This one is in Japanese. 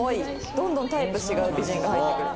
どんどんタイプ違う美人が入ってくる。